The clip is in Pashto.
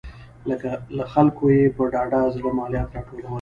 له خلکو یې په ډاډه زړه مالیات راټولول